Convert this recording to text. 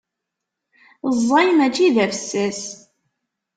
Ẓẓay mačči d afessas.